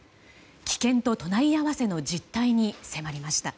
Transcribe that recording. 危険と隣り合わせの実態に迫りました。